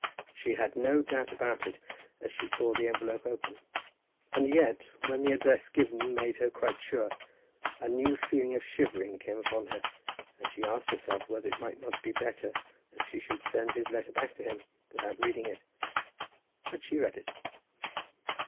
She had no doubt about it, as she tore the envelope open; and yet, when the address given made her quite sure, a new feeling of shivering came upon her, and she asked herself whether it might not be better that she should send his letter back to him without reading it. But she read it.